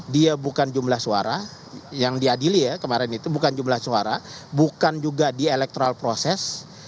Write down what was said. dia bukan jumlah suara yang diadili ya kemarin itu bukan jumlah suara bukan juga di electoral proses